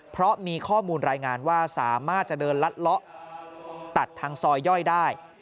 เพราะมีข้อมูลรายงานว่าสามารถจะเดินลัดเลาะตัดทางซอยย่อยได้